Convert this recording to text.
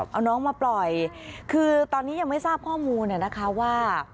เอาน้องมาปล่อยคือตอนนี้ยังไม่ทราบข้อมูลนะคะว่า